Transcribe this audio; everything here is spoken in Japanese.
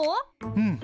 うん。